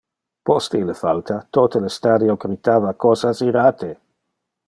Post ille falta, tote le stadio critava cosas irate.